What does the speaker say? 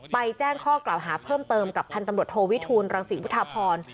แจ้งข้อกล่าวหาเพิ่มเติมกับพันธุ์ตำรวจโทวิทูลรังศรีพุทธพร